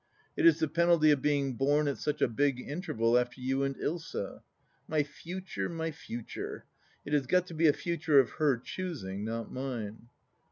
It is the penalty of being born at such a big interval after you and Ilsa. My Future, my Future 1 It has got to be a Future of her choosing, not mine.